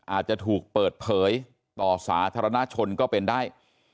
อาจจะถูกเปิดเผยต่อสาธารณชนก็เป็นได้